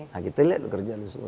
nah kita lihat kerja dulu